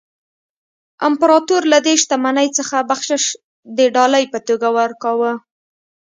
امپراتور له دې شتمنۍ څخه بخشش د ډالۍ په توګه ورکاوه.